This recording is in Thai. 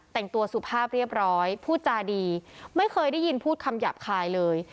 แต่งตัวสุภาพเรียบร้อยพูดจาดีไม่เคยได้ยินพูดคำหยาบคายเลย